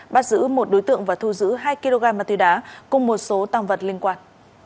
bắt giữ một đối tượng và thu giữ hai kg ma túy đá cùng một số tăng vật liên quan